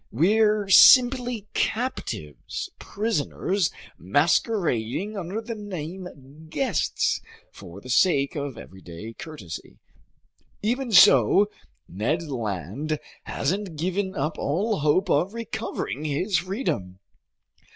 We're simply captives, prisoners masquerading under the name "guests" for the sake of everyday courtesy. Even so, Ned Land hasn't given up all hope of recovering his freedom.